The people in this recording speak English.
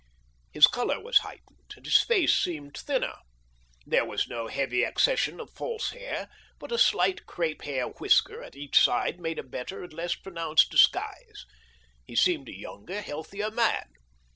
His colour was heightened, and his face seemed thinner. There was no heavy accession of false hair, but a slight crepe hair whisker at each side made a better and less pronounced disguise. He seemed a younger, healthier man.